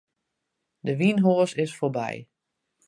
De wynhoas is foarby.